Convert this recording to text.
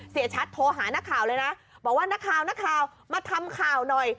เสียชัตริย์โทรหานักข่าวเลยนะบอกว่านักข่าวมาทำข่าวหน่อย